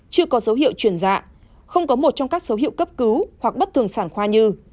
chưa có dấu hiệu chuyển dạ không có một trong các dấu hiệu cấp cứu hoặc bất thường sản khoa như